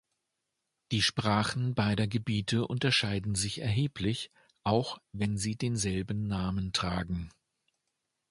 Die Sprachen beider Gebiete unterscheiden sich erheblich, auch wenn sie denselben Namen tragen.